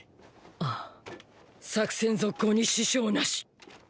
ああ作戦続行に支障なし！